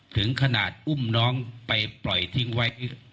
ถึงขนาดอุ้มน้องไปปล่อยทิ้งไว้